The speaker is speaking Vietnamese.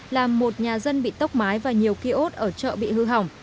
làm một nhà dân bị tốc mái và nhiều ký ốt ở chợ bị hư hỏng